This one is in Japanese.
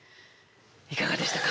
いかがでしたか？